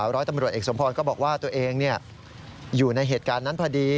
ร้อยตำรวจเอกสมพรก็บอกว่าตัวเองอยู่ในเหตุการณ์นั้นพอดี